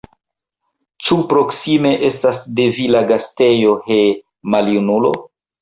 Ĉu proksime estas de vi la gastejo, he, maljunulo?